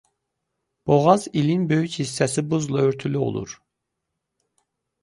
Boğaz ilin böyük hissəsi buzla örtülü olur.